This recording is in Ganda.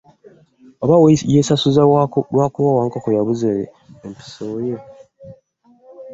Aba yeesasuza kubanga Wankoko yabuza empiso ye.